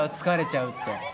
「疲れちゃう」って。